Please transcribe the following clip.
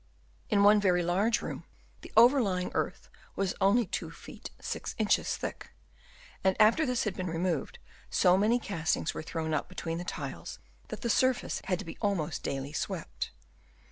In one very large room the overlying earth was only 2 ft. 6 in. thick ; and after this had been re moved, so many castings were thrown up between the tiles that the surface had to be almost daily swept.